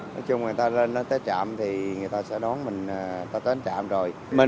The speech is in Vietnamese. nói chung người ta lên tới trạm thì người ta sẽ đón mình có tới trạm rồi